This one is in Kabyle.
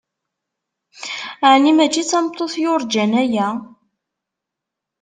Aɛni mačči d tameṭṭut yurǧan aya?